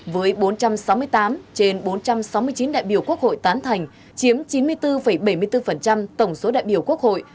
với bốn trăm sáu mươi tám trên bốn trăm sáu mươi chín đại biểu quốc hội tán thành chiếm chín mươi bốn bảy mươi bốn tổng số đại biểu quốc hội